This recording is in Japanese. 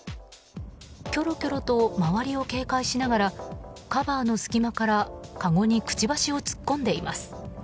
きょろきょろと周りを警戒しながらカバーの隙間からかごにくちばしを突っ込んでいます。